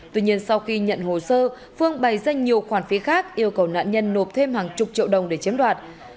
tuy nhiên sau khi nhận hồ sơ phương bày danh nhiều khoản phí khác yêu cầu nạn nhân nộp thêm hàng chục triệu đồng để chiếm đoạt